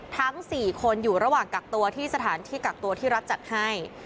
ทั้ง๔คนอยู่ระหว่างกักตัวที่สถานที่กักตัวที่รัฐจัดให้